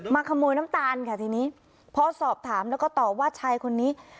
ขโมยน้ำตาลค่ะทีนี้พอสอบถามแล้วก็ตอบว่าชายคนนี้